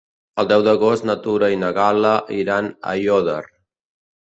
El deu d'agost na Tura i na Gal·la iran a Aiòder.